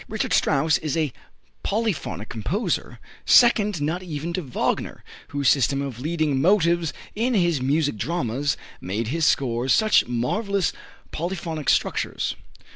Richard Strauss is a polyphonic composer second not even to Wagner, whose system of leading motives in his music dramas made his scores such marvellous polyphonic structures.